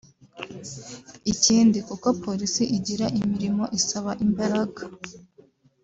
Ikindi kuko polisi igira imirimo isaba imbaraga